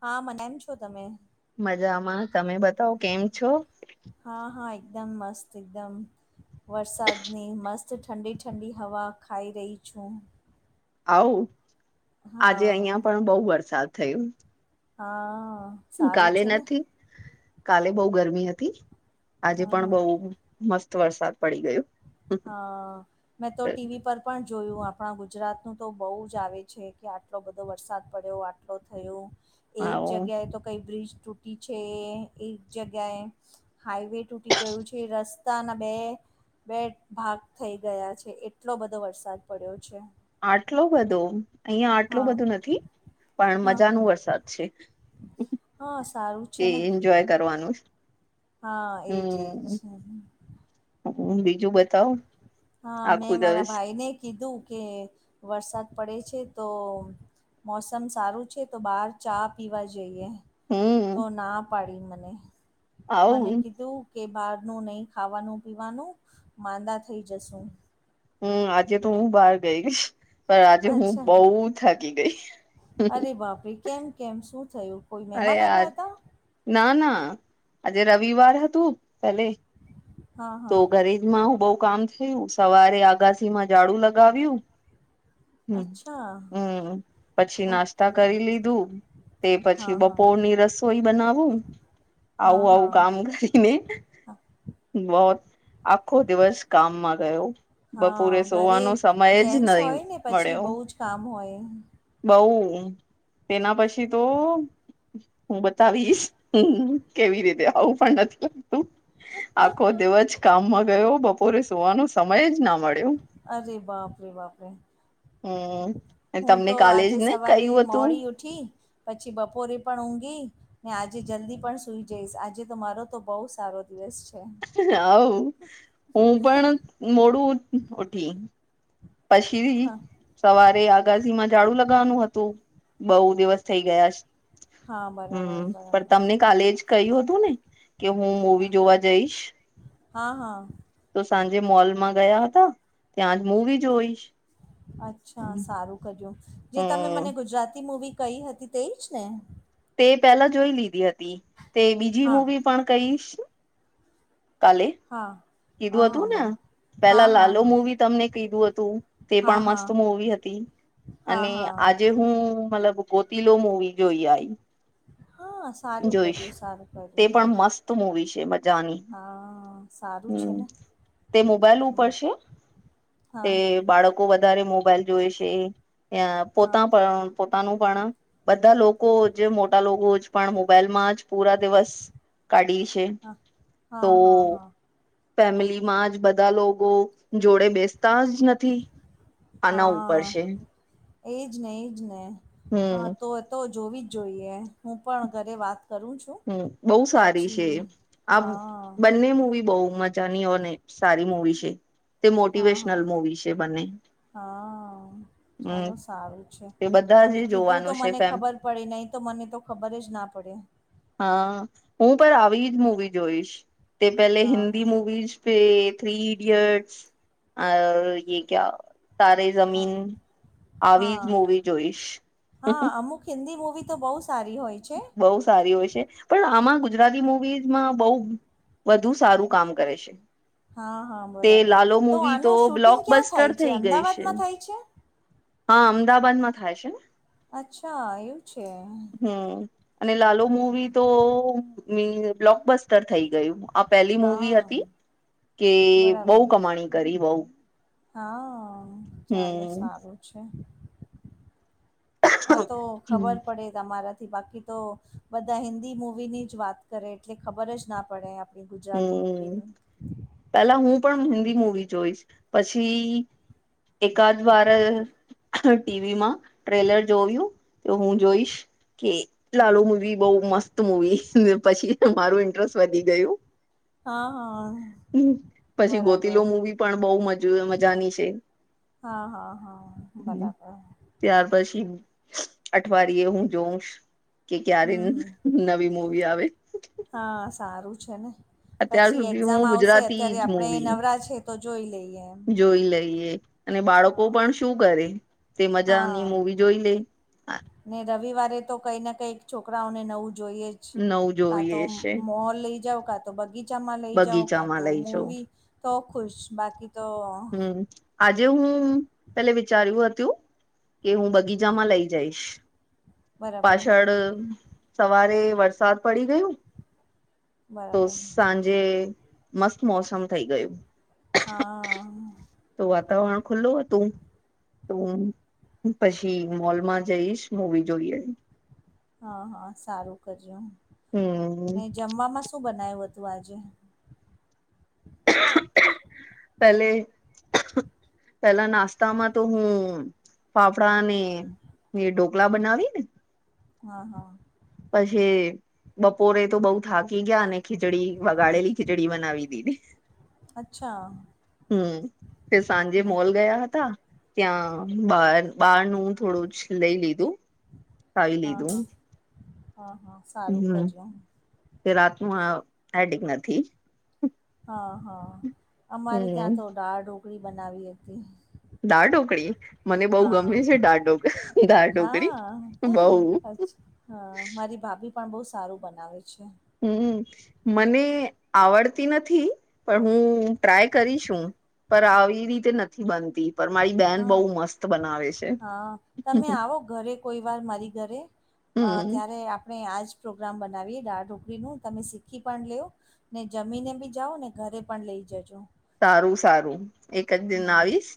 હા મનાયમ છો તમે મજામાં તમે બતાવો કેમ છો? હા હા એકદમ મસ્ત એકદમ વરસાદની મસ્ત ઠંડી ઠંડી હવા ખાઈ રહી છું. આવ આજે હા અહિયાં પણ બહુ વરસાદ થયો હા સારું કાલે છે ને નથી કાલે બહુ ગરમી હતી આજે હા પણ હા બહ મસ્ત વરસાદ પડી ગયો હા મેં તો ટીવી પર પણ જોયું આપણા ગુજરાત નું તો બહુ જ આવે છે કે આટલો બધો વરસાદ પડ્યો આટલો થયો એક આવો જગ્યાએ તો કઈ બ્રિજ તૂટી છે એક જગ્યાએ હાઈવે તૂટી ગયું છે રસ્તાના બે બે ભાગ થઈ ગયા છે એટલો બધો વરસાદ પડ્યો છે. આટલોું બધો અહિયાં આટલું હા બધું નથી પણ હા મજા હા ન વરસાદ છે. હા સારું કે છે ને. એન્જોય કરવાનું હા એજ એજ હું બીજું બતાવું હા મેં મારા ભાઈને કીધું કે વરસાદ પડે છે તો મોસમ સારું છે તો બહાર ચા પીવા જઈએ હમ તો ના પાડી મને મને આવું કીધું કે બહારનું નહીં ખાવાનું પીવાનું માંદા થઈ જશું હમ આજે તો હું બહાર ગઈ ગઈશ પણ આજે હું અચ્છા બહ થાકી ગઈ અરે બાપરે કેમ કેમ શું થયું કોઈ અરે મહેમાન આ આવ્યા હતા ના ના આજે રવિવાર હતું પેલે હા તો હા ઘરે જમાં હું બઉ કામ થયું સવારે આગાસીમાં જાડું લગાવ્યું હ અચ્છા હમ પછી નાસ્તા ઓકે કરી લીધું તે હા પછી હા બપોરની રસોઈ બનાવું હા આવું આવું કામ હા કરીને બહત આખો દિવસ કામમાં ગયો બપોરે હા સોવાનો સમય જ નહી મળે થી બહુ જ કામ હોય બઉ તેના પછી તો હું બતાવીશ હ કેવી રીતે આવું પણ નથી લાગતું આખો દિવસ કામમાં ગયોપ પોરે સુવાનું સમય જ ના મળ્યું અરે બાપરે બાપરે હમ હું તમને તો કાલે જ આજે ને સવારે કહ્યું મોડી હતું ઉઠ ઉઠી પછી બપોરી પણ ઊંઘી ને આજે જલ્દી પણ સુઈ જઈશ આજે તો મારો તો બહુ સારો દિવસ છે. હ હું પણ મોડું ઉઠી પછીરી હા સવારે આગાજી માં ઝાડું લગાવાનું હતું બઉ દિવસ થઈ ગયા છે હા બરાબર હમ પણ બરાબર તમને હા કાલે જ કયું હતું ને કે હું મવી જોવા જઈશ હા હા તો સાંજે મોલમાં ગયા હતા ત્યાં જ મુવી જોઈશ અચ્છા હમ સારું કર્યું જે તમે મને ગુજરાતી મુવી કહી હતી તે જ ને તે પેલા જોઈ લીધી હતી તે બીજી હા મૂવી પણ કઈશ કાલે હા કીધું હા હા હતું ને બરા હા પેલા હા લાલો હા મૂવી તમને કીધું હતું તે હા પણ હા મસ્ત મુવી હતી હા અને હા આજે હું મતલબ ગોતિલો મુવી જોઈ આઈ હા સારું કર્યું સારું તે કર્યું પણ મસ્ત મૂવી છે મસ્ત જાની હા સારું છે હમ ને તે મોબાઈલું હમ પડશે તે હા હા બાળક વધારે મોબાઈલ જોવે છે હા પોતા પણ પોતાનું પણ બધા લોકો કો જે મોટા લોકો પણ મોબાઈલ માં જ પૂરા દિવસ કાઢી છે હા તો હા હા હા ફેમિલી માં જ બધા લોકો જોડે બેસતા જ નથી આના ઉપર છે હા એજ ને એ જ ને હમ હા તો તો જોવી જ જોઈએ હું પણ ઘરે વાત કરું છું હમ બહુ સારી છે પછી આ હા હા બંને મૂવી બહુ મજા નીઓને સારી મૂવી છે તે હા મોટિવેશનલ મુવી છે બને હા ચાલો સારું છે તે બધા તમે જ કીધું તો જોવાનું છે મને ફેમ ખબર પડે નહીં તો મને તો ખબર જ ના પડે હા હું પણ આવી જ મુવી જોઈશ તે પેલે હા હા હિન્દી મુવી જ થ્રી ઇડિયટ્સ અ કયા તાર હા જમીન આવી જ હા મૂવી જોઈશ હા અમુક હિન્દી મુૂવી તો બહુ સારી હોય છે બહુ સારી હોય છે. પણ આમાં ગુજરાતી મૂવીઝમાં બહુ વધુ સારું કામ કરે છે હા હા તે બરાબર લાલો તો મૂવી આનું શૂટિંગ ક્યાં બ્લોકબસ્ટર થાય છે થઈ ગઈ છે અમદાવાદમાં થાય છે. હા અમદાવાદ માં થાય છે ને અચ્છા એવું છે હમ અને લાલુ ઓકે મૂવી તો બ્લોક બસ્ટતર થઈ ગયું આ પહેલી મૂવી હા હતી કે બરાબર બઉ કમાણી કરી બઉ હા ચાલો હમ સારું છે હા તો ખબર હમ પડે તમારાથી બાકી તો બધા હિન્દી મુવીની જ વાત કરે એટલે ખબર જ ના પડે આપણી ગુજરાતી હમ મૂવીની પેલા હું પણ હિન્દી મુવી જોઈશ પછી એકાદ વાર ટીવીમાં ટ્રેલર જોયું તો હું જોઈશ કે હમ. લાલુ મૂવી બઉ મસ્ત મુવી પછી મારું ઇન્ટરેસ્ટ વધી ગયું હા હા હ પછી બરાબર ગોતીલો મુવી પણ બહુ મજાની છે હા હા હા બરાબર [unintelligible] ત્યાર પછી અઠવાડિયે હું જોઉંશ કે ક્યારે હમ હમ નવી મુૂવી આવે હા સારું છે ને અત્યાર પછી સુધી હું એક્ઝામ આવશે ગુજરાતી અત્યારે જ આપણે મૂવી નવરા છે તો જોઈ લઈએ એમ જોઈ લઈએ અને બાળકો હા પણ શું કરે તે મજાની હા મુૂવી જોઈ લે ને રવિવારે તો કંઈ ના કંઈક છોકરાઓને નવું જોઈએ નવું કા તો જોઈએ છે મો લઈ જાાવ કા તો બગીચામાં લઈ જાાવ કા તો બગીચામાં લઈ જઉ મૂવી તો ખુશ બાકી તો હમ આજે હું પેલે વિચાર્યું હતું કે હું બગીચામાં લઈ જઈશ બરાબર પાછળ સવારે વરસાદ પડી ગયું તો બરાબર સાંજે મસ્ત મોસમ થઈ ગયું હા તો વાતાવરણ ખુલ્લું હતું તો હું પછી મોલમાં જઈશ મવી જોઈએ હા હા સારું કરજે હું હમ ને જમવામાં શું બનાવ્યું હતું આજે પલે [inaudible] પેલા નાસ્તામાં તો હું ફાફડાને એ ઢોકલા બનાવી ને હા હા પછી બપોરે તો બઉુ થાકી ગયા ખીચડી વગાડેલી ખી જડીી મનાવી દી ને અચ્છા હમ તે સાંજે હા મોલ ગયા હતા ત્યાં બાર બાર નું થોડું જ લઈ લીધું ખાઈ હા લીધું હા હા હા હમ કે રાતનું આ એડિક નથી હા હા અમારે હમ ત્યાં તો દાળ ઢોકળી બનાવી હતી દાળ ઢોકરીી મને બઉ હા ગમે છે ડા ઢોકરી ડા ઢોકરી બઉ હ મારી ભાભી પણ બહુ સારું બનાવે છે હમ મને આવડતી નથી પણ હું ટ્રાય કરીશું પર આવી રીતે નથી બનતી પર મારી બેન હા બહુ મસ્ત બનાવે છે હા તમે આવો ઘરે કોઈ વાર મારી ઘરે અ હમ ત્યારે આપણે આજ પ્રોગ્રામ બનાવીએ દાળ ઢોકળીનું તમે શીખી પણ લવ ને જમીને બી જાઓ ને ઘરે પણ લઈ જજો સારું સારું એક જ દિન હા આવીશ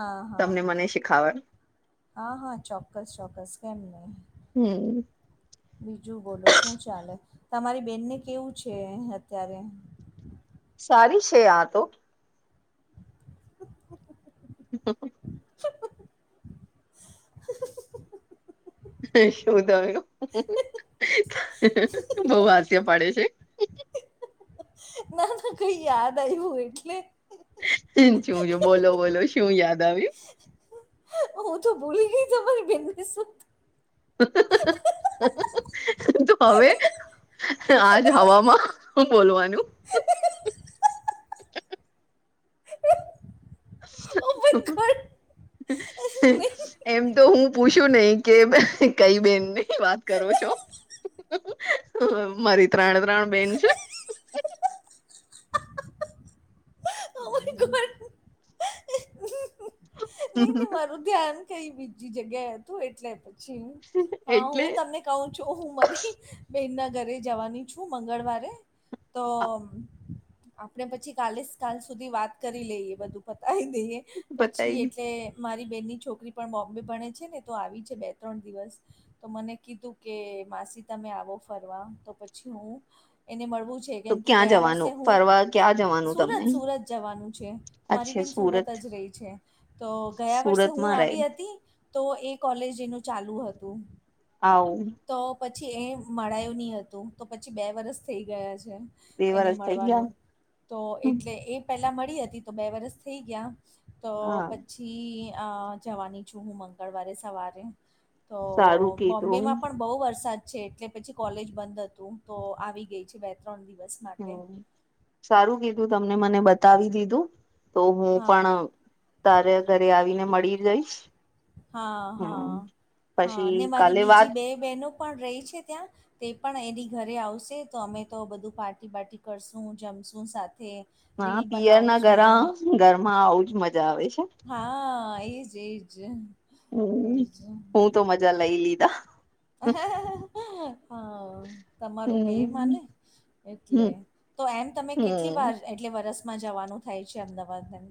હા હા તમને મને શીખાવ હા હા ચોક્કસ ચોક્કસ કેમ ન હમ [unintelligible] બીજું બોલો શું ચાલે તમારી બેનને કેવું છે અત્યારે સારી છે આ તો ખ [unintelligible] હ [inaudible] [inaudible] શું તય બઉ હાસ્ય પાડે છે [inaudible] ના ના કઈ યાદ આવ્યું એટલે. છું છું બોલો બોલો શું યાદ આવ્યું. હું તો ભૂલી ગઈ તમા તમારી બંદુને [inaudible] તો હવે આજ હવામાં બોલવાનું. ઓ હ માય ગોડ નહીં [unintelligible] એમ તો હું પૂછું નહી કે કઈ બેનની વાત કરો છો.? મારી ત્રણે ત્રણ બેન છે. અર [inaudible] નહીં મારું ધ્યાન કઈ બીજી જગ્યા હતું, એટલે પછી હા એટલે હું તમને કહું છો હું મારી બેન ના ઘરે જવાની છું મંગળવારે. તોમ આપણે પછી કાલે જ કાલ સુધી વાત કરી લઈએ બધું પતાવી દઈએ, પછી બતાવી દી. એટલે મારી બેનની છોકરી પણ બોમ્બે ભણે છે ને, તો આવી છે બે ત્રણ દિવસ તો મને કીધું કે માસી તમે આવો ફરવા તો પછી હું એને મળવું આવી છુ તો કેમ કે ક્યાં ગયા વર્ષે જવાનું હું ફરવા ક્યાં જવાનું તમને સુરત સુરત જવાનું છે આ મારી છે બેન સુરત જ રહી છે તો ગયા વર્ષે હું સુરતમાં રહે આવી હતી તો એ કોલેજનું ચાલુ હતું. આવું. તો પછી એ મળાયું નહીં હતું. તો પછી બે વરસ થઈ ગયા છે. બે એને વરસ થઈ ગયા મળવાનું તો એટલે એ પેલા મળી હતી તો બે વરસ થઈ ગયા તો હા પછી અ જવાની છું હું મંગળવારે સવારે. તો સારું કીધું બોમ્બેમાં પણ બહુ વરસાદ છે એટલે પછી કોલેજ બંધ હતું તો આવી ગઈ છે બે ત્રણ દિવસ. માટે હમ સારું કીધું તમને મને બતાવી દીધું. તો હું હા પણ તારે ઘરે આવીને મળી જઈશ. હા હા હમ હા પછી ને મારી કાલે વાત બીજી બે બહેનો પણ રહી છે ત્યાં તે પણ એની ઘરે આવશે તો અમે તો બધું પાર્ટી બાર્ટી કરશું જમશું સાથે. હા રીલ પિયર ના ઘરા બનાવશું ઘરમાં આવુંજ મજા આવે છે. હા એજ એજ. હમ એજ હું તો મજા લઈ લીધા. હા તમારું મેં એ હમ માને. હમ એટલે તો એમ તમે કેટલી હમ વાર કેટલે વરસમાં જવાનું થાય છે અમદાવાદ એમ.?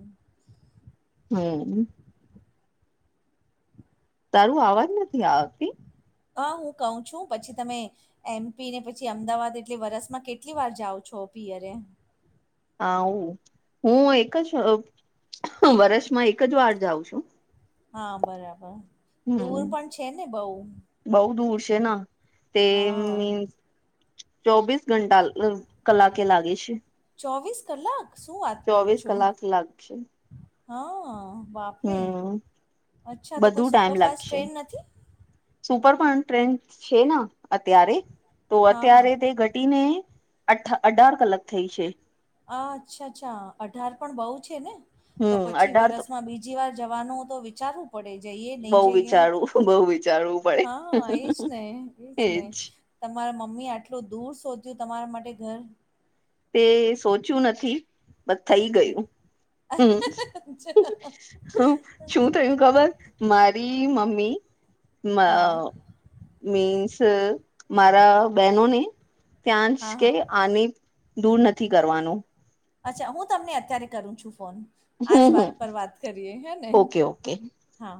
હમ. તારું આવાજ નથી આવતી. હા હું કહું છું પછી તમે એમપી ને પછી અમદાવાદ એટલે વરસમાં કેટલી વાર જાવ છો પીયરે.? હું હું એક જ વર્ષમાં એક જ વાર જાઉં છું. હા બરાબર દૂર પણ છે ને બહુ. બહુ દૂર છે તે હા મીન્સ ચોબીસ ઘંટા કલાકે લાગે છે. ચોવીસ કલાક શું વાત કરો ચોવીસ છો? કલાક લાગશે હા બાપ પરી હમ અચ્છા તો બધું કોઈ ટાઈમ સુપરફાસ્ટ લાગશે ટ્રેન નથી.? સુપર પણ ટ્રેન્ડ છે અત્યારે તો હા હા અત્યારે તે ઘટીને અ અઢાર કલાક થઈ છે. આ અચ્છા અચ્છા અઢાર પણ બઉ છે ને તો હમ પછી અઢાર તો વરસમાં બીજ બીજી વાર જવાનું તો વિચારું પડે જઈએ બઉ નહી જઈએ વિચારવું બઉ વિચારવું [unintelligible] પડે હા એજ નહ એજ ને. તમારા મમ્મી આટલું દૂર સોધ્યું તમારા માટે ઘર.? તે સોધ્યું નથી. બટ થઈ ગયું. હમ, હા હુ છું થયું ખબર, મારી મમ્મી મ અ હા મીન્સ મારા બહેનોને ત્યાશ કે હા આની દૂર નથી કરવાનું. અચ્છા, હું તમને અત્યારે કરું છું ફોન. આજ હમ હમ વાત પર વાત કરીએ હે ને, ઓકે ઓકે હા.